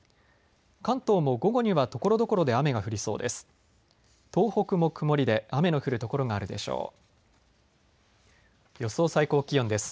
関東も午後にはところどころで雨が降りそうです。